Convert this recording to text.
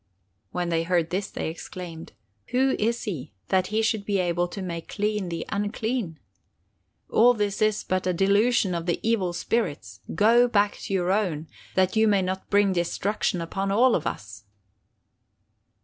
"When they heard this they exclaimed: 'Who is he, that he should be able to make clean the unclean? All this is but a delusion of the evil spirits. Go back to your own, that you may not bring destruction upon all of us!